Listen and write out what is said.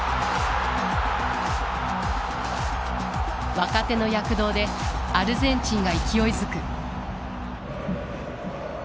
若手の躍動でアルゼンチンが勢いづく。